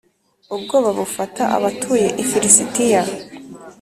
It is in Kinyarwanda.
ubwoba bufata abatuye i filisitiya.